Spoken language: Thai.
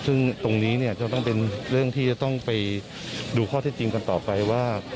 ซึ่งตรงนี้เนี่ยจะต้องเป็นเรื่องที่จะต้องไปดูข้อเท็จจริงกันต่อไปว่า